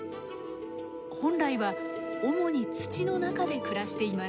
本来は主に土の中で暮らしています。